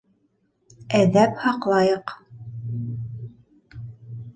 Әҙәп һаҡлайыҡ.